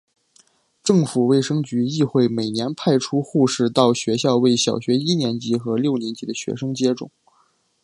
政府卫生局亦会每年派出护士到学校为小学一年级和六年级的学生接种。